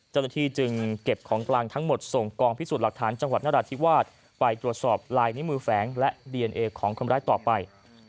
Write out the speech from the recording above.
เจ้าหน้าที่จึงเก็บของกลางทั้งหมดส่งกองพิสูจน์หลักฐานจังหวัดนราธิวาสไปตรวจสอบลายนิ้วมือแฝงและดีเอนเอของคนร้ายต่อไป